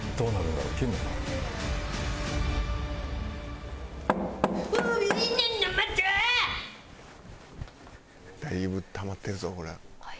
だいぶたまってるぞこれは。